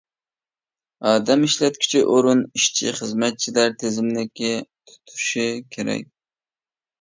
ئادەم ئىشلەتكۈچى ئورۇن ئىشچى-خىزمەتچىلەر تىزىملىكى تۇتۇشى كېرەك.